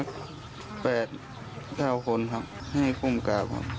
สัก๘๙คนครับให้คุ้มกราบครับ